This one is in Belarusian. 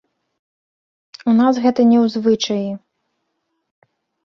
У нас гэта не ў звычаі.